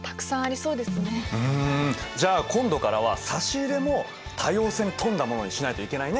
じゃあ今度からは差し入れも多様性に富んだものにしないといけないね